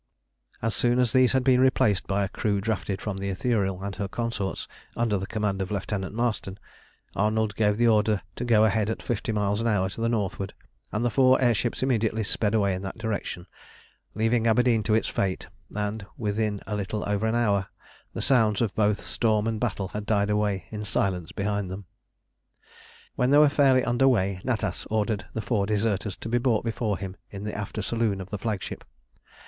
As soon as these had been replaced by a crew drafted from the Ithuriel and her consorts under the command of Lieutenant Marston, Arnold gave the order to go ahead at fifty miles an hour to the northward, and the four air ships immediately sped away in that direction, leaving Aberdeen to its fate, and within a little over an hour the sounds of both storm and battle had died away in silence behind them. When they were fairly under way Natas ordered the four deserters to be brought before him in the after saloon of the flagship.